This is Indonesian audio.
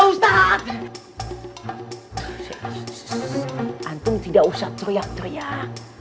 ssssssssssssss antum tidak usah teriak teriak